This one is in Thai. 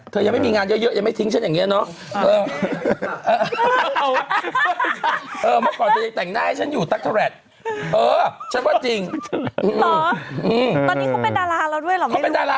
ยังไม่มีงานเยอะยังไม่ทิ้งฉันอย่างนี้เนอะ